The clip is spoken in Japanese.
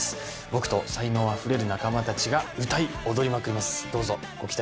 僕と才能あふれる仲間たちが歌い踊りまくります。